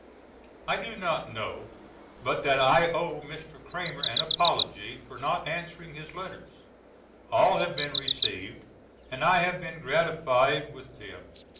I do not know but that I owe Mr. Cramer an apology for not answering his letters. All have been received and I have been gratified with them.